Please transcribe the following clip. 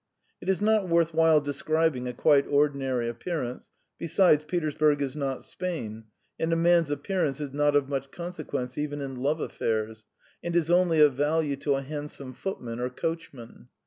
It is not worth while describing a quite ordinary appearance; besides, Petersburg is not Spain, and a man's appearance is not of much consequence even in love affairs, and is only of value to a handsome footman or coachman.